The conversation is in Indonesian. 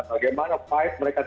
bagaimana perjuangan mereka